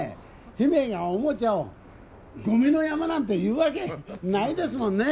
姫がおもちゃをゴミの山なんて言うわけないですもんね？